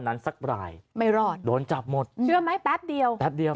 สักรายไม่รอดโดนจับหมดเชื่อไหมแป๊บเดียวแป๊บเดียว